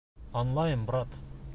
Аңлайым, брат.